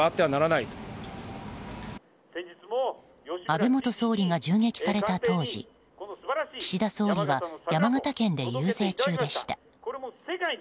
安倍元総理が銃撃された当時岸田総理は山形県で遊説中でした。